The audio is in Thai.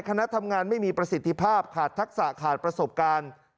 คณะทำงานไม่มีประสิทธิภาพขาดทักษะขาดประสบการณ์